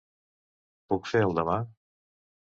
Puc fer el demà?